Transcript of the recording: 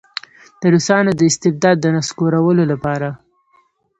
د روسانو د استبداد د نسکورولو لپاره.